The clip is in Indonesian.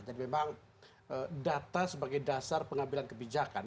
jadi memang data sebagai dasar pengambilan kebijakan